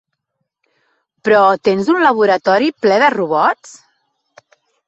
Però tens un laboratori ple de robots?